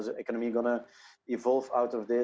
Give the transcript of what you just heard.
bagaimana ekonomi akan berkembang dari ini